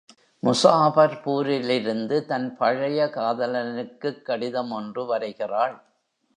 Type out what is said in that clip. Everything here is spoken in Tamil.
முஸாபர்பூரிலிருந்து தன் பழைய காதலனுக்குக் கடிதம் ஒன்று வரைகிறாள்.